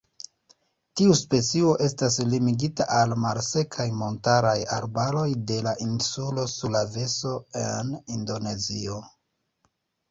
Tiu specio estas limigita al malsekaj montaraj arbaroj de la insulo Sulaveso en Indonezio.